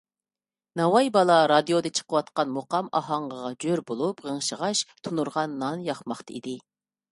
ناۋاي بالا رادىيودا چىقىۋاتقان مۇقام ئاھاڭىغا جور بولۇپ غىڭشىغاچ تونۇرغا نان ياقماقتا ئىدى.